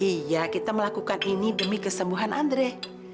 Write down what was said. iya kita melakukan ini demi kesembuhan andre